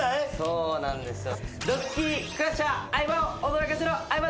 そうなんですよ。